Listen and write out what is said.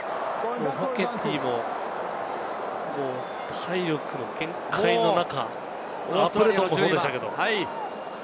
フォケティも体力の限界の中、アプレトンもそうでしたけれども。